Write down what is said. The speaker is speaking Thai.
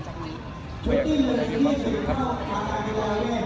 ก็นามเลยค่ะปีนี้ไม่ใช่เพื่อน